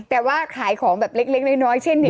แต่ว่าขายของแบบเล็กน้อยเช่นนี้